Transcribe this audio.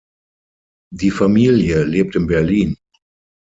Die Familie lebt in Berlin.